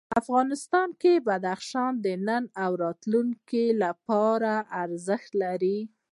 افغانستان کې بدخشان د نن او راتلونکي لپاره ارزښت لري.